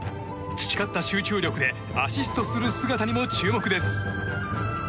培った集中力でアシストする姿にも注目です。